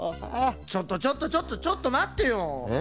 ちょっとちょっとちょっとちょっとまってよ。え？